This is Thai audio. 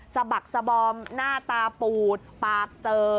สะบักสบอมหน้าตาปูดปากเจอ